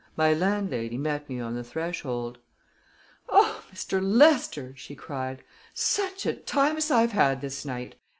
My landlady met me on the threshold. "Oh, Mr. Lester!" she cried. "Such a time as I've had this night!